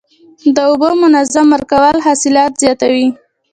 د اوبو منظم ورکول حاصلات زیاتوي.